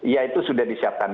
ya itu sudah disiapkan